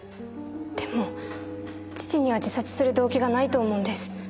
でも父には自殺する動機がないと思うんです。